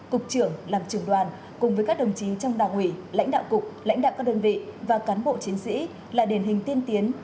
cục trưởng làm trưởng đoàn cùng với các đồng chí trong đảng ủy lãnh đạo cục lãnh đạo các đơn vị và cán bộ chiến sĩ là điển hình tiên tiến